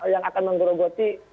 yang akan menggerogoti